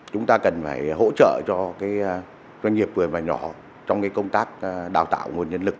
chúng ta cần phải hỗ trợ cho doanh nghiệp vừa và nhỏ trong công tác đào tạo nguồn nhân lực